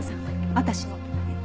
私も。